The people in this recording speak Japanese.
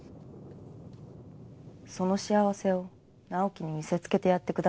その幸せを直季に見せつけてやってください。